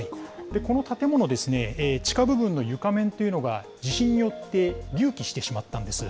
この建物ですね、地下部分の床面というのが地震によって隆起してしまったんです。